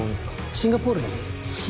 シンガポール？